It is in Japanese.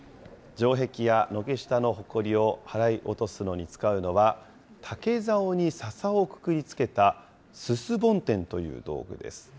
城壁や軒下のほこりを払い落すのに使うのは、竹ざおにささをくくりつけたすす梵天という道具です。